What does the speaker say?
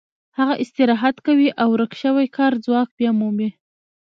هغه استراحت کوي او ورک شوی کاري ځواک بیا مومي